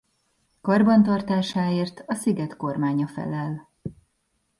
Karbantartásáért a sziget kormánya felel.